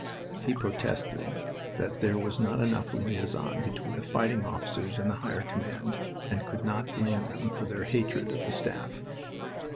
He protested that there was not enough liaison between the fighting officers and the Higher Command, and could not blame them for their hatred of "the Staff."